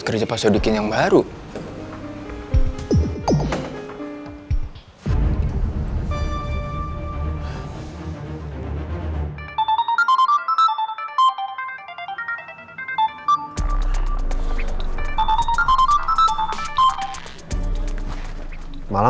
kenapa aku ganggu ya